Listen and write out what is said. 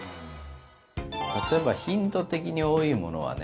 例えば頻度的に多いものはね。